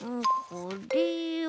これは。